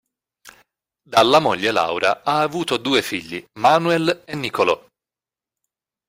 Dalla moglie Laura, ha avuto due figli: Manuel e Nicolò.